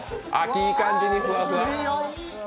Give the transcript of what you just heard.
いい感じにふわふわ。